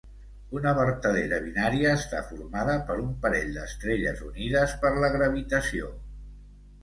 Una vertadera binària està formada per un parell d'estrelles unides per la gravitació.